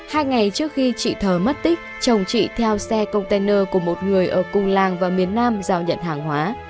hai ngày trước khi chị thờ mất tích chồng chị theo xe container của một người ở cùng làng và miền nam giao nhận hàng hóa